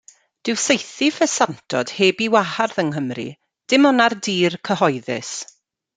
Dyw saethu ffesantod heb ei wahardd yng Nghymru, dim ond ar dir cyhoeddus.